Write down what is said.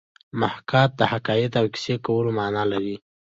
محاکات د حکایت او کیسه کولو مانا لري